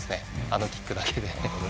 あのキックだけで。